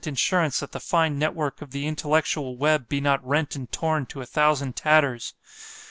_ insurance, that the fine net work of the intellectual web be not rent and torn to a thousand tatters.